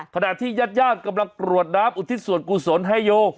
ขณะที่ญาติญาติกำลังกรวดน้ำอุทิศส่วนกุศลให้โย